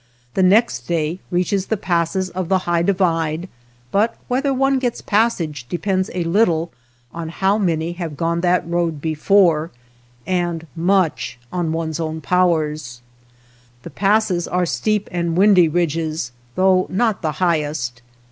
The next day reaches the passes of the high divide, but whether one gets passage depends a little on how many have gone that road before, and much on one's own powers. The 185 THE STREETS OF THE MOUNTAINS passes are steep and windy ridges, though not the highest.